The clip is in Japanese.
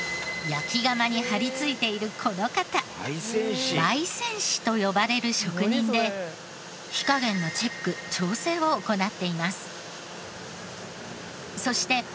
焼き釜に張り付いているこの方焙煎師と呼ばれる職人で火加減のチェック調整を行っています。